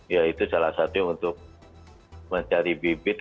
ya itu salah satu untuk mencari bibit